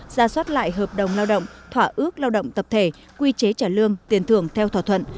ra soát lại hợp đồng lao động thỏa ước lao động tập thể quy chế trả lương tiền thưởng theo thỏa thuận